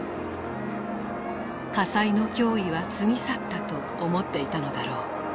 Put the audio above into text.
火災の脅威は過ぎ去ったと思っていたのだろう。